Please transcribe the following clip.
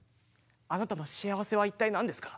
あなたの幸せは一体なんですか？